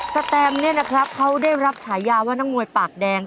แตมเนี่ยนะครับเขาได้รับฉายาว่านักมวยปากแดง